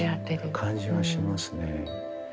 感じはしますね。